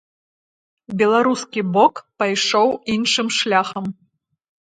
Беларускі бок пайшоў іншым шляхам.